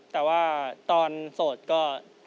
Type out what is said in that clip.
แต่ว่าตอนโสดก็